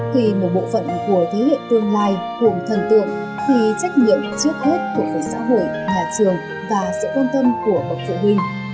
khi một bộ phận của thế hệ tương lai gồm thần tượng thì trách nhiệm trước hết thuộc của xã hội nhà trường và sự quan tâm của bậc phụ huynh